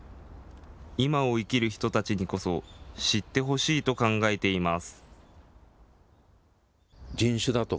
今を生きる人たちにこそ知ってほしいと考えています。